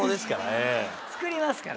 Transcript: ええ。作りますから。